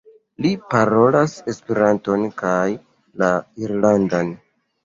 Li parolas Esperanton kaj la irlandan.